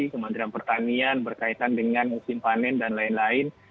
kementerian pertanian berkaitan dengan musim panen dan lain lain